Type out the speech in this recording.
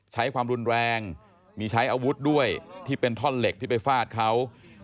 ใช้ความรุนแรงมีใช้อาวุธด้วยที่เป็นท่อนเหล็กที่ไปฟาดเขา